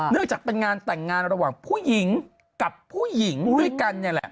เนื่องจากเป็นงานแต่งงานระหว่างผู้หญิงกับผู้หญิงด้วยกัน